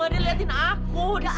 dia lihatin aku